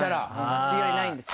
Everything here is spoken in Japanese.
間違いないんです。